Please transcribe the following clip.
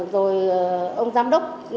rồi ông giám đốc